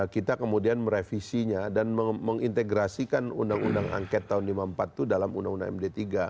kita kemudian merevisinya dan mengintegrasikan undang undang angket tahun seribu sembilan ratus lima puluh empat itu dalam undang undang md tiga